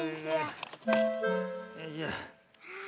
よいしょ。